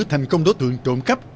thành công đối tượng trộm cấp